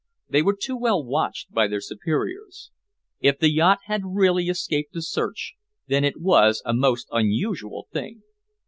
They were too well watched by their superiors. If the yacht had really escaped a search, then it was a most unusual thing.